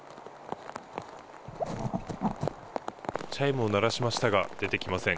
チャイムを鳴らしましたが、出てきません。